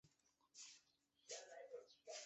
野莴苣为菊科莴苣属的植物。